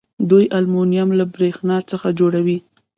دوی المونیم له بریښنا څخه جوړوي.